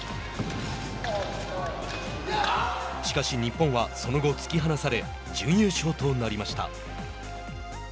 しかし日本はその後、突き放され準優勝となりました。